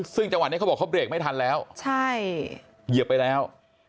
ซึ่งจังหวะนี้เขาบอกเขาเบรกไม่ทันแล้วใช่เหยียบไปแล้ว